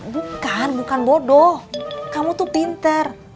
bukan bukan bodoh kamu tuh pinter